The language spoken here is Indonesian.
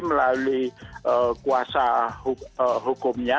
melalui kuasa hukumnya